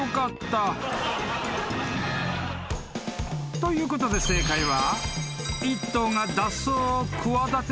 ［ということで正解は］